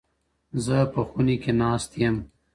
زه په خوني کي ناست يم.